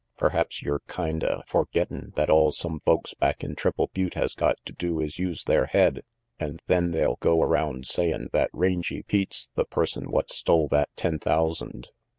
Perhaps yer kinda forgettin' that all some folks back in Triple Butte has got to do is use their head, an' then they'll go around sayin' that Rangy Pete's the person what stole that ten thou sand.